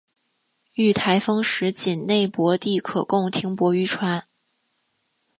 遇台风时仅内泊地可供停泊渔船。